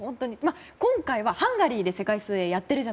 今回はハンガリーで世界水泳。